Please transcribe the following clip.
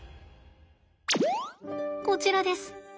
こちらです。